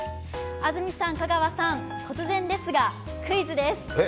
安住さん、香川さん、突然ですがクイズです。